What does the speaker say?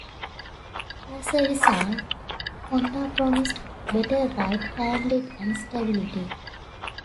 As a result, Honda promised better ride, handling and stability.